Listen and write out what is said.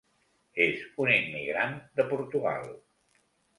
És un immigrant de Portugal.